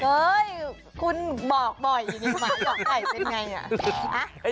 เคยคุณบอกบ่อยอย่างนี้หมาหยอกไก่เป็นไงอ่ะ